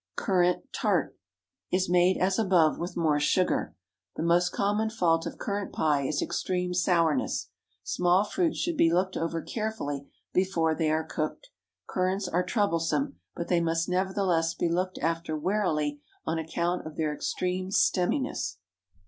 CURRANT TART Is made as above, with more sugar. The most common fault of currant pie is extreme sourness. Small fruits should be looked over carefully before they are cooked. Currants are troublesome, but they must nevertheless be looked after warily on account of their extreme stemminess.